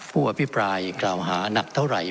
ผู้อภิปรายกล่าวหานักเท่าไหร่